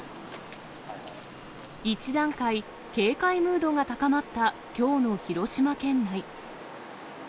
一段階、警戒ムードが高まったきょうの広島県内。